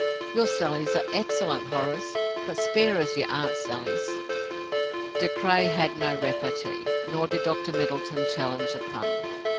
"Your sallies are excellent, Horace, but spare us your Aunt Sallies!" De Craye had no repartee, nor did Dr. Middleton challenge a pun.